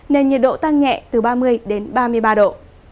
nên nhiệt độ tăng nhẹ từ ba mươi đến ba mươi ba độ